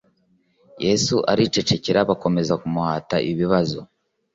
yesu aricecekera bakomeje kumuhata ibibazo